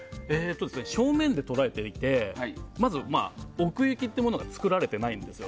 正面で捉えていてまず、奥行きが作られていないんですよ。